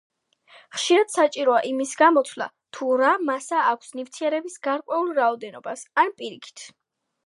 ხშირად საჭიროა იმის გამოთვლა, თუ რა მასა აქვს ნივთიერების გარკვეულ რაოდენობას, ან პირიქით.